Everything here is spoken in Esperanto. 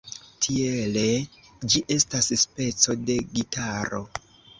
Tiele ĝi estas speco de gitaro.